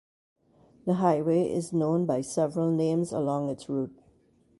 The highway is known by several names along its route.